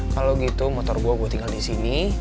kalau gitu motor gue tinggal disini